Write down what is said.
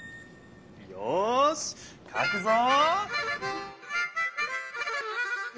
よしかくぞ！